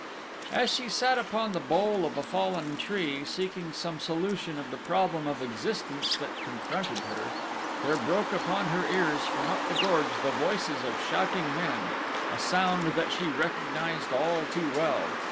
As she sat upon the bole of a fallen tree seeking some solution of the problem of existence that confronted her, there broke upon her ears from up the gorge the voices of shouting men a sound that she recognized all too well.